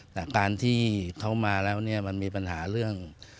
แต่การที่เขามาแล้วเนี่ยมันมีปัญหาเรื่อง